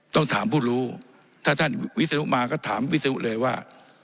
ต้องถามผู้รู้ถ้าท่านวิศนุมาก็ถามวิศนุเลยว่า